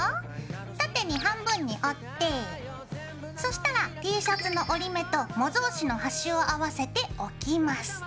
縦に半分に折ってそしたらＴシャツの折り目と模造紙の端を合わせて置きます。